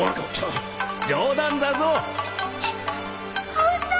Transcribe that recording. ホント？